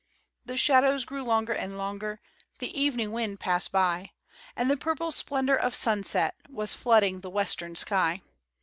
The shadows grew longer and longer, The evening wind passed by, And the purple splendor of sunset Was flooding the western sky.